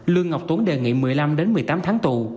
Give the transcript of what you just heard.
lương ngọc tuấn đề nghị một mươi năm một mươi tám tháng tù